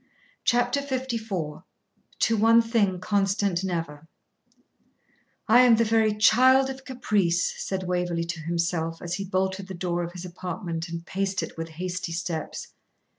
CHAPTER LIV 'TO ONE THING CONSTANT NEVER' 'I am the very child of caprice,' said Waverley to himself, as he bolted the door of his apartment and paced it with hasty steps.